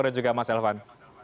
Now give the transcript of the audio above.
dan juga mas elvan